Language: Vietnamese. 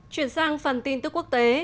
chuyển sang phần tin tức quốc tế